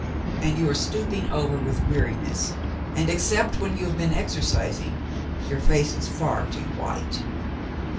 And you are stooping over with weariness, and, except when you have been exercising, your face is far too white."